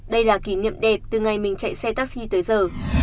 đây là kỷ niệm đẹp từ ngày mình chạy xe taxi tới giờ